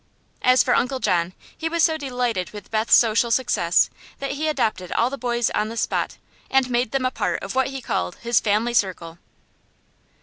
As for Uncle John, he was so delighted with Beth's social success that he adopted all the boys on the spot, and made them a part of what he called his family circle.